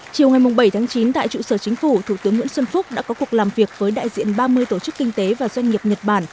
tính tại trụ sở chính phủ thủ tướng nguyễn xuân phúc đã có cuộc làm việc với đại diện ba mươi tổ chức kinh tế và doanh nghiệp nhật bản